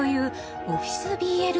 オフィスＢＬ